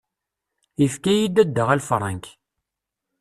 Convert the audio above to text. Yefka-iyi Ddada aleffrank.